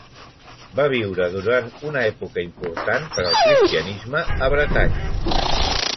Va viure durant una època important per al cristianisme a Bretanya.